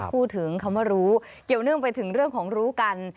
พูดถึงคำว่ารู้เกี่ยวเนื่องไปถึงเรื่องของรู้กัน